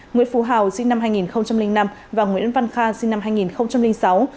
nguyễn phú hào sinh năm hai nghìn năm và nguyễn văn kha sinh năm hai nghìn sáu